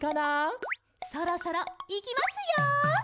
「そろそろ、いきますよ！」